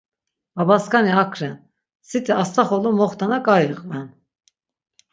Babaskani ak ren, siti astaxolo moxtana k̆ai iqven.